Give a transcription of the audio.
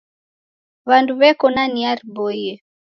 W'andu w'eko na nia riboie.